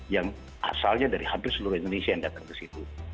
yang asalnya dari hampir seluruh indonesia yang datang ke situ